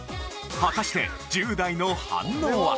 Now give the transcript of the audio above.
果たして１０代の反応は？